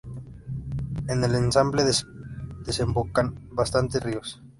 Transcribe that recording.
En el embalse desembocan bastantes ríos.